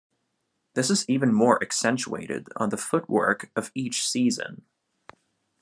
This is even more accentuated on the footwork of each season.